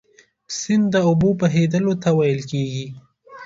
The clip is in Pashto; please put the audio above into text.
سیند د اوبو بهیدلو ته ویل کیږي.